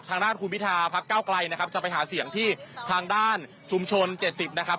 ทางด้านคุณพิทาพักเก้าไกลนะครับจะไปหาเสียงที่ทางด้านชุมชน๗๐นะครับ